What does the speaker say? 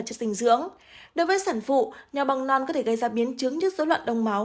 chất sinh dưỡng đối với sản phụ nhò bong non có thể gây ra biến chứng trước dấu loạn đông máu